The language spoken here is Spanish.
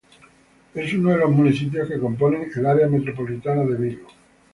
Es uno los municipios que componen el Área Metropolitana de Vigo.